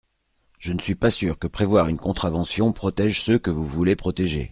Je ne suis pas sûr que prévoir une contravention protège ceux que vous voulez protéger.